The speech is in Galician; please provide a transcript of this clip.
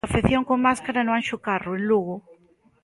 Afección con máscara no Anxo Carro, en Lugo.